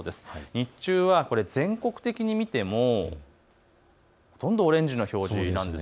日中は全国的に見てもほとんどオレンジの表示なんです。